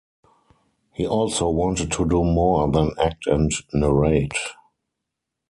He also wanted to do more than act and narrate.